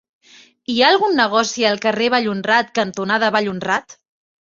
Hi ha algun negoci al carrer Vallhonrat cantonada Vallhonrat?